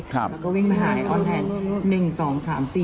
ครับ